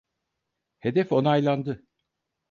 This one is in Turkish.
Hedef onaylandı.